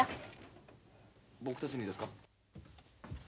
僕たちにですか？